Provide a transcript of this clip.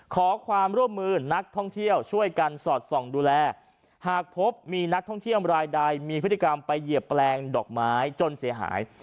ขอความร่วมมือนักท่องเที่ยวช่วยกันสอดส่องดูแลหากพบมีนักท่องเที่ยวรายใดมีพฤติกรรมไปเหยียบแปลงดอกไม้จนเสียหาย